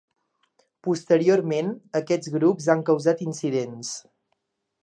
Posteriorment, aquests grups han causat incidents.